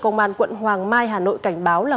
công an quận hoàng mai hà nội cảnh báo là